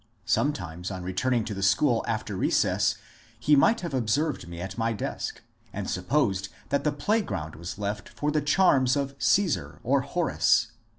Sometimes on returning to the school after recess he might have observed me at my desk and supposed that the playground was left for the charms of CsBsar or Horace.